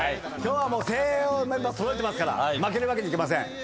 今日は精鋭のメンバー揃えてますから負けるわけにいきません。